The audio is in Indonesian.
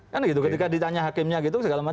kan gitu ketika ditanya hakimnya gitu segala macam